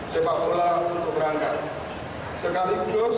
kami liga satu menyadari supporter adalah tapak hakiki